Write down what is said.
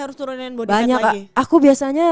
harus turunin body fat lagi banyak aku biasanya